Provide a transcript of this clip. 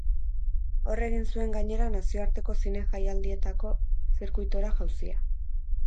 Hor egin zuen gainera nazioarteko zine jaialdietako zirkuitora jauzia.